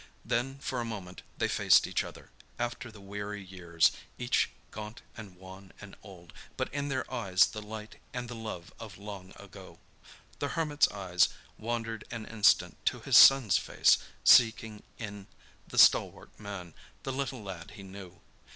Then for a moment they faced each other, after the weary years; each gaunt and wan and old, but in their eyes the light and the love of long ago. The hermit's eyes wandered an instant to his son's face, seeking in the stalwart man the little lad he knew.